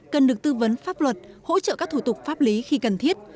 cần được tư vấn pháp luật hỗ trợ các thủ tục pháp lý khi cần thiết